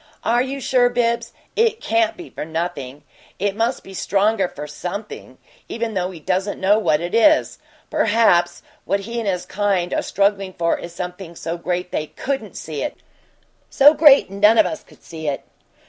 "Are you sure, Bibbs? It CAN'T be for nothing; it must be stronger for something, even though he doesn't know what it is. Perhaps what he and his kind are struggling for is something so great they COULDN'T see it so great none of us could see it."